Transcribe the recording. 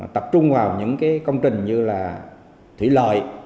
tập trung vào những công trình như là thủy lợi